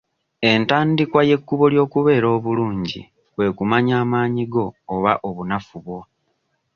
Entandikwa y'ekkubo ly'okubeera obulungi kwe kumanya amaanyi go oba obunafu bwo.